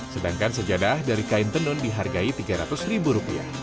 sedangkan sejadah dari kain tenun dihargai rp tiga ratus